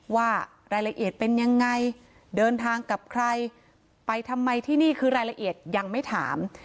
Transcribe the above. ว่ารายละเอียดเป็นยังไงเดินทางกับใครไปทำไมที่นี่คือรายละเอียดยังไม่ถาม